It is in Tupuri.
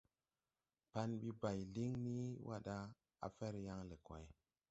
Pan bi bay lin ni wa da, à fer yan le kway.